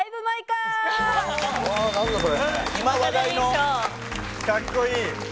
かっこいい！